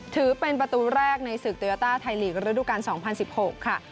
ถือเป็นประตูแรกในสึกโตยาต้าไทยหลีกฤษดูการสองพันสิบหกค่ะ